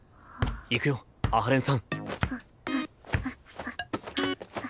いくよ阿波連さん。